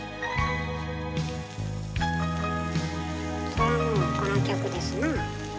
そらもうこの曲ですなあ。